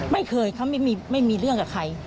ไม่เคยเขาไม่มีเรื่องกับใคร